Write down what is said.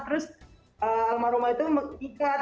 terus almarhum mama itu ikat